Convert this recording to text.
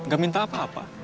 gak minta apa apa